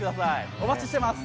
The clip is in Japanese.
お待ちしております。